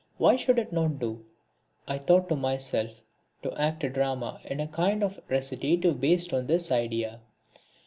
Why should it not do, I thought to myself, to act a drama in a kind of recitative based on this idea.